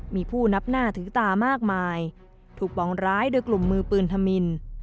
มีผู้นับหน้าถือตามากมายถูกปองร้ายโดยกลุ่มมือปืนธมิน